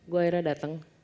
gue akhirnya dateng